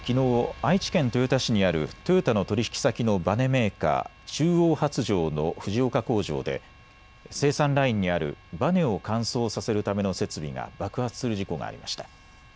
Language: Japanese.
愛知県豊田市にあるトヨタの取引先のばねメーカー、中央発條の藤岡工場で生産ラインにあるばねを乾燥させるための設備が爆発する事故がありました。